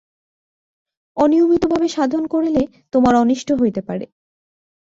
অনিয়মিতভাবে সাধন করিলে তোমার অনিষ্ট হইতে পারে।